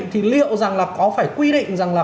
thì liệu rằng là có phải quy định rằng là